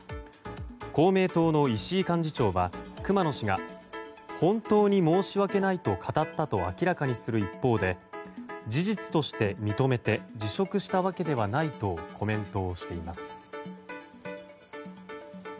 公明党の石井幹事長は熊野氏が本当に申し訳ないと語ったと明らかにする一方で事実として認めて辞職したわけではないとコメントしています。